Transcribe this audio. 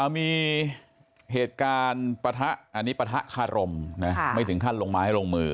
มีเหตุการณ์ประทะคารมไม่ถึงขั้นลงไม้ลงมือ